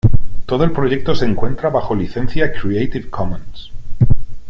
Todo el Proyecto se encuentra bajo licencia Creative Commons